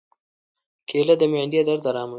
کېله د معدې درد آراموي.